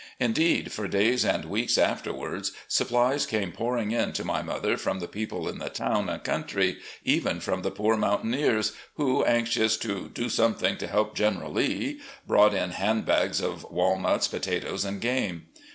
Indeed, for days and weeks afterward supplies came pouring in to my mother from the people in the town and country, even from the poor mountaineers, who, anxious to "do something to help General Lee," brought in hand bags of walnuts, potatoes, and game.